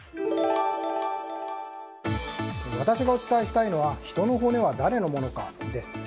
私がお伝えしたいのは人の骨は誰のものかです。